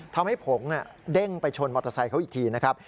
ทำให้ผมเด้งไปชนมอเตอร์ไซค์เขาอีกทีนะครับ